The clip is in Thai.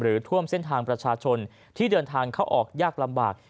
ท่วมเส้นทางประชาชนที่เดินทางเข้าออกยากลำบาก